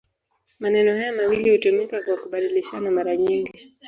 Maneno haya mawili hutumika kwa kubadilishana mara nyingi.